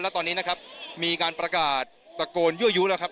และตอนนี้นะครับมีการประกาศตะโกนยั่วยุแล้วครับ